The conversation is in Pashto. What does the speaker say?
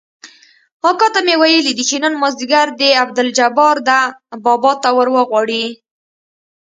اکا ته مې ويلي دي چې نن مازديګر دې عبدالجبار ده بابا ته وروغواړي.